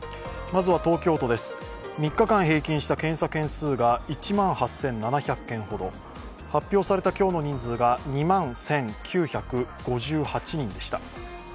まずは東京都です、３日間平均した検査件数が１万８７００件ほど、発表された今日の人数が２万１９５８人でした。